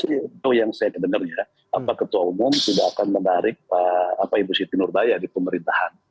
itu yang saya dengar ya bapak ketua umum sudah akan menarik ibu siti nurbaya di pemerintahan